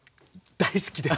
大好きです！